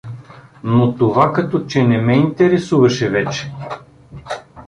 Но това като че не ме интересуваше вече.